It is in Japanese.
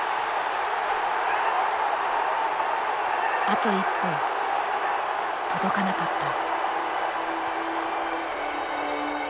あと一歩届かなかった。